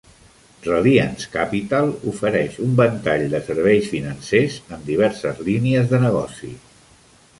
Reliance Capital ofereix un ventall de serveis financers en diverses línies de negoci.